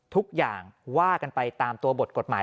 ทุกอย่างว่ากันไปตามตัวบทกฎหมาย